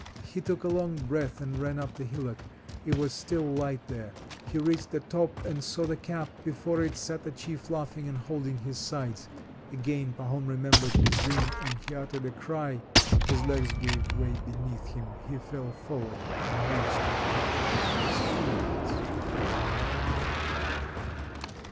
He took a long breath and ran up the hillock. It was still light there. He reached the top and saw the cap. Before it sat the Chief laughing and holding his sides. Again Pahom remembered his dream, and he uttered a cry: his legs gave way beneath him, he fell forward and reached the cap with his hands.